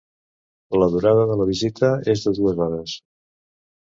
La durada de la visita és de dues hores.